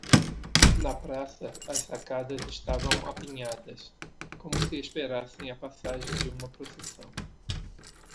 Na praça, as sacadas estavam apinhadas, como se esperassem a passagem de uma procissão.